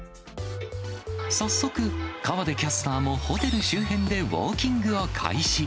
早速、河出キャスターもホテル周辺でウォーキングを開始。